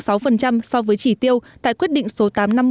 so với chỉ tiêu tại quyết định số tám năm bốn